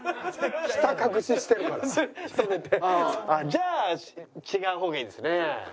じゃあ違う方がいいですね。